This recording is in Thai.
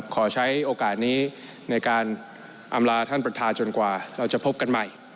ขอใช้โอกาสนี้ในการอำลาท่านประธานจนกว่าเราจะพบกันใหม่